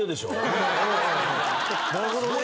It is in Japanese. なるほどねああ